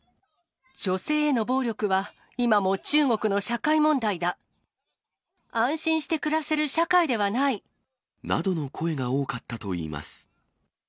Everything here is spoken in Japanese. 女性への暴力は、安心して暮らせる社会ではななどの声が多かったといいます。